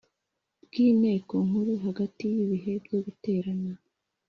bw Inteko Nkuru hagati y ibihe byo guterana